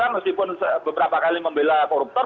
masih pun beberapa kali membela koruptor